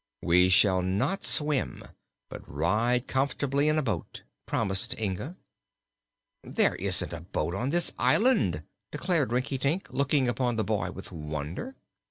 "We shall not swim, but ride comfortably in a boat," promised Inga. "There isn't a boat on this island!" declared Rinkitink, looking upon the boy with wonder.